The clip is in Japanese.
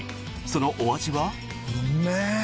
そのお味は。